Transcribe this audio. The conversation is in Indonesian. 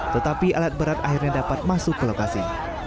tetapi alat berat akhirnya dapat masuk ke lokasi